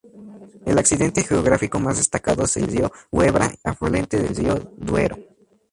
El accidente geográfico más destacado es el río Huebra, afluente del río Duero.